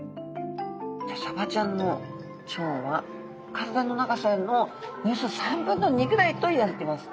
サバちゃんの腸は体の長さのおよそ３分の２ぐらいといわれてます。